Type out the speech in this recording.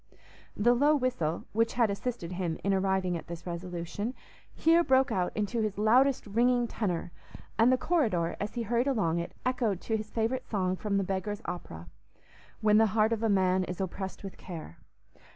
The low whistle, which had assisted him in arriving at this resolution, here broke out into his loudest ringing tenor, and the corridor, as he hurried along it, echoed to his favourite song from the Beggar's Opera, "When the heart of a man is oppressed with care."